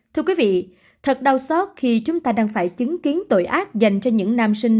thưa quý vị thật đau xót khi chúng ta đang phải chứng kiến tội ác dành cho những nam sinh